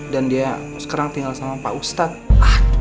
dia sekarang tinggal sama pak ustadz